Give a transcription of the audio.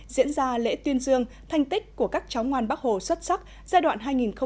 diễn ra lễ tuyên dương thanh tích của các cháu ngoan bắc hồ xuất sắc giai đoạn hai nghìn một mươi sáu hai nghìn hai mươi